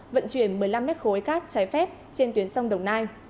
vận chuyển một mươi năm mét khối cát trái phép trên tuyến sông đồng nai